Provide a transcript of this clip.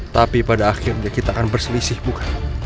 tapi pada akhirnya kita akan berselisih bukan